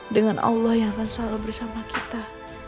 dengan allah yang akan selalu bersama kita